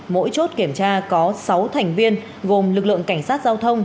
mỗi chốt kiểm tra có sáu thành viên gồm lực lượng cảnh sát giao thông